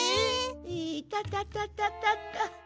いたたたたたた。